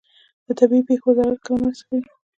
د طبیعي پیښو وزارت کله مرسته کوي؟